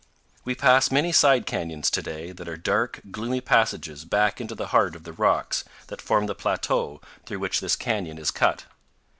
We pass many side canyons to day that are dark, gloomy passages back into the heart of the rocks that form the plateau through which this canyon is cut.